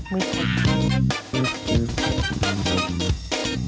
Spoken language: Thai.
ไม่ใช่